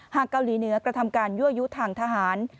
เกาหลีเหนือกระทำการยั่วยุทางทหาร